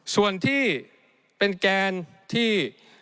ส่วนที่เป็นแกนที่